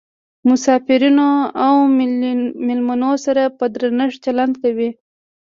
مسافرینو او میلمنو سره په درنښت چلند کوي.